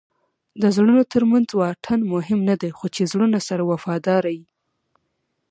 د زړونو ترمنځ واټن مهم نه دئ؛ خو چي زړونه سره وفادار يي.